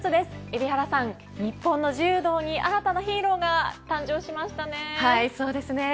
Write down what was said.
海老原さん、日本の柔道に新たなヒーローが誕生しましたね。